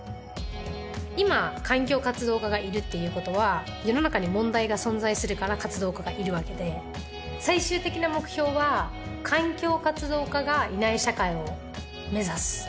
今環境活動家がいるっていうことは世の中に問題が存在するから活動家がいるわけで最終的な目標は環境活動家がいない社会を目指す